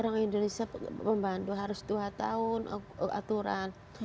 orang indonesia membantu harus dua tahun aturan